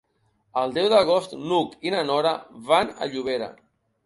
El deu d'agost n'Hug i na Nora van a Llobera.